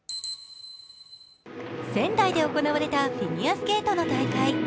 仙台で行われたフィギュアスケートの大会。